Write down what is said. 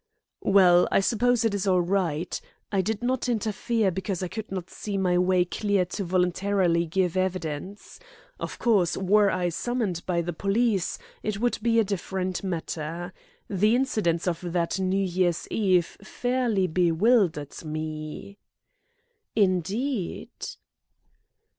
"Well, I suppose it is all right. I did not interfere because I could not see my way clear to voluntarily give evidence. Of course, were I summoned by the police, it would be a different matter. The incidents of that New Year's Eve fairly bewildered me." "Indeed!"